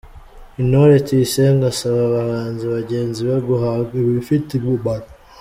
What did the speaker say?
Intore tuyisenge asaba abahanzi bagenzi be guhanga ibifite umumaro.